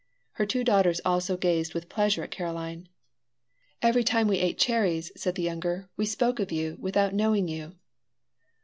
Her two daughters also gazed with pleasure at Caroline. "Every time we ate cherries," said the younger, "we spoke of you without knowing you."